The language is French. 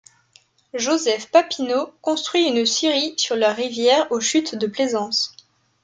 Joseph Papineau construit une scierie sur la rivière aux chutes de Plaisance.